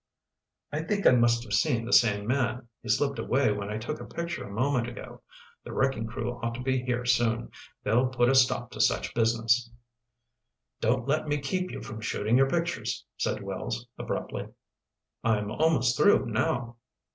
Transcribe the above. "I think I must have seen that same man. He slipped away when I took a picture a moment ago. The wrecking crew ought to be here soon. They'll put a stop to such business." "Don't let me keep you from shooting your pictures," said Wells abruptly. "I'm almost through now."